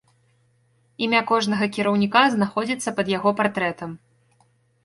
Імя кожнага кіраўніка знаходзіцца пад яго партрэтам.